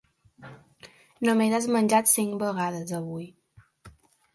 Només has menjat cinc vegades, avui.